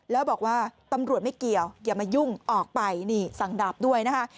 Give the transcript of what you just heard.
แล้วบอกว่าตำรวจไม่เกี่ยวอย่ามายุ่งออกไปนี่สั่งดาบด้วยนะคะ